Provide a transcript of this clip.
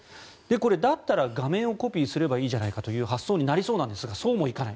だったら、画面をコピーすればいいじゃないかという発想になりそうなんですがそうもいかない。